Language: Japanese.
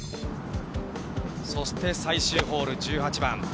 そして最終ホール１８番。